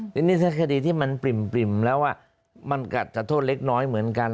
ทีนี้ถ้าคดีที่มันปริ่มแล้วมันกัดสะโทษเล็กน้อยเหมือนกัน